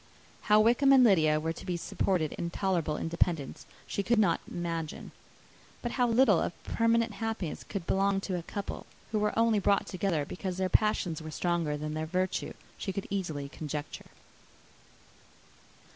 How Wickham and Lydia were to be supported in tolerable independence she could not imagine. But how little of permanent happiness could belong to a couple who were only brought together because their passions were stronger than their virtue, she could easily conjecture.